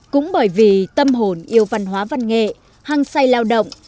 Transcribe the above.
cũng bởi vì tâm hồn yêu văn hóa văn nghệ hăng say lao động